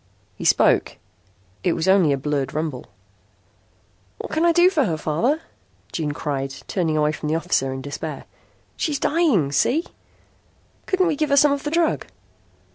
He spoke. It was only a blurred rumble. "What can I do for her, Father?" June cried, turning away from the officer in despair. "She's dying. See? Couldn't we give her some of the drug?"